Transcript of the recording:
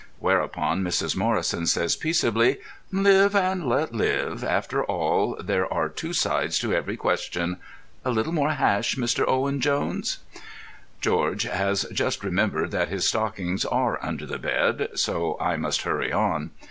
Whereupon Mrs. Morrison says peaceably, "Live and let live. After all, there are two side to every question—a little more hash, Mr. Owen Jones?" George has just remembered that his stockings are under the bed, so I must hurry on.